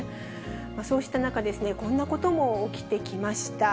そうした中、こんなことも起きてきました。